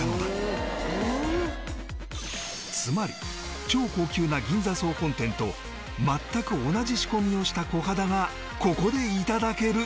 つまり超高級な銀座総本店と全く同じ仕込みをした小肌がここで頂けるというわけ